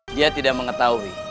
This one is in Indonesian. dia tidak mengetahui